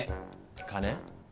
金？